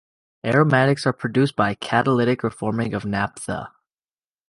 Aromatics are produced by catalytic reforming of naphtha.